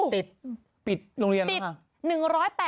ปิดปิดโรงเรียนแล้วค่ะ